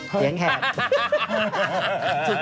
เสียงแหบ